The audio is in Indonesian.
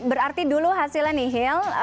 berarti dulu hasilnya nihil